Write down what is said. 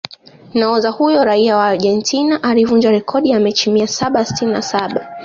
Nahodha huyo raia wa Argentina alivunja rekodi ya mechi mia saba sitini na saba